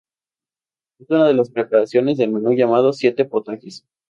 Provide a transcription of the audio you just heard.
Es una de las preparaciones del menú llamado "siete potajes".